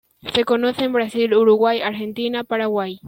Se conoce en Brasil, Uruguay, Argentina, Paraguay.